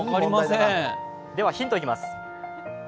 ヒントいきます。